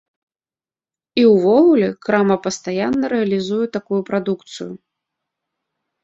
І ўвогуле крама пастаянна рэалізуе такую прадукцыю.